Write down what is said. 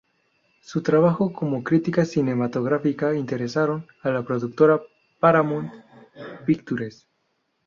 Su trabajo como crítica cinematográfica interesaron a la productora Paramount Pictures.